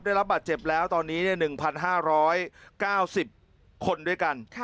ได้รับบาดเจ็บแล้วตอนนี้๑๕๙๐คนด้วยกัน